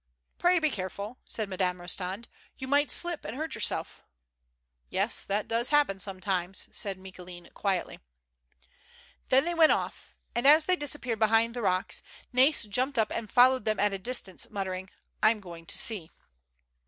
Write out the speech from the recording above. "Pray be careful," said Madame Eostand. "You might slip and hurt yourself." "Yes, that does happen sometimes," said Micoulin quietly. They then went off, and as they disappeared behind the rocks, Kais jumped up and followed them at a dis tance, muttering: " I'm going to see."